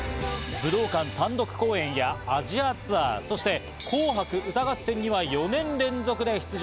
武道館単独公演や、アジアツアー、そして『紅白歌合戦』には４年連続で出場。